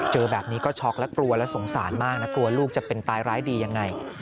เจอแบบนี้ก็ช็อกและกลัวและสงสารมากนะกลัวลูกจะเป็นตายร้ายดียังไง